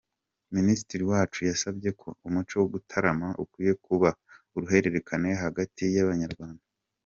Minisitiri Uwacu yasabye ko umuco wo gutarama ukwiye kuba uruhererekane hagati y’Abanyarwanda.